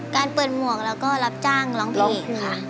การเปิดหมวกแล้วก็รับจ้างร้องเพลงค่ะ